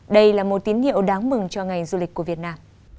đây là một tín hiệu đáng mừng cho ngành du lịch của việt nam